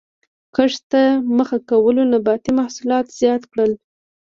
کښت ته مخه کولو نباتي محصولات زیات کړل